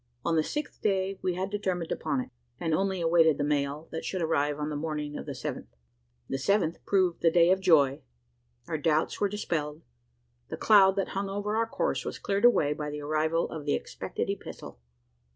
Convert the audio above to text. On the sixth day we had determined upon it; and only awaited the mail, that should arrive on the morning of the seventh. The seventh proved the day of joy. Our doubts were dispelled. The cloud that hung over our course was cleared away, by the arrival of the expected epistle!